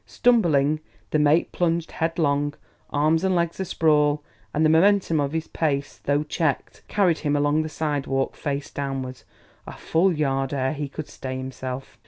Stumbling, the mate plunged headlong, arms and legs a sprawl; and the momentum of his pace, though checked, carried him along the sidewalk, face downwards, a full yard ere he could stay himself.